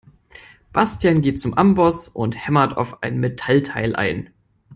Bastian geht zum Amboss und hämmert auf ein Metallteil ein.